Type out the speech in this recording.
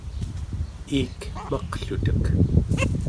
iik maqlutek